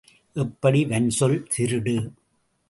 எப்படி வன்சொல் திருடு?